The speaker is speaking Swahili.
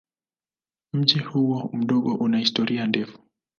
Mji huu mdogo una historia ndefu.